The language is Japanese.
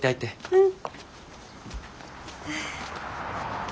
うん。